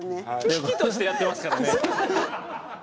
喜々としてやってますからね。